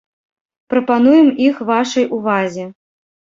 Прапануем іх вашай увазе.